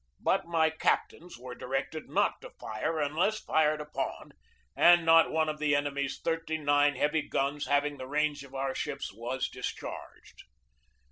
But my captains were di rected not to fire unless fired upon, and not one of the enemy's thirty nine heavy guns having the range of our ships was discharged.